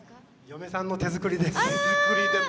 嫁さんの手作りです。